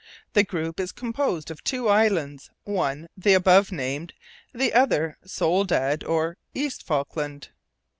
The group is composed of two islands, one the above named, the other Soledad or East Falkland.